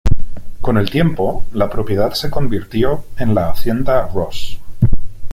Con el tiempo, la propiedad se convirtió en la Hacienda Ross.